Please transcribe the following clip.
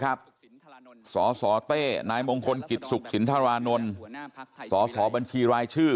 กันอยู่นะครับสสเต้นายมงคลกิจสุขสินทรานนทร์สสบัญชีรายชื่อ